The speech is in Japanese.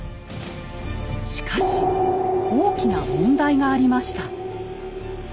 しかし大きな問題がありました。